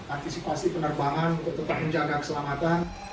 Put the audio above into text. antisipasi penerbangan untuk tetap menjaga keselamatan